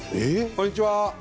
こんにちは。